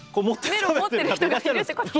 メロン持ってる人がいるってこと？